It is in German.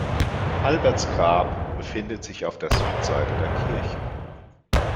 Alberts Grab befindet sich auf der Südseite der Kirche.